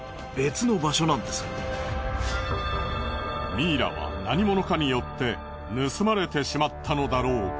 ミイラは何者かによって盗まれてしまったのだろうか？